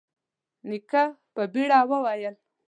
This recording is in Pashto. نيکه په بيړه وويل: